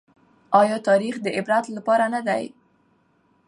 ايا تاريخ د عبرت لپاره نه دی؟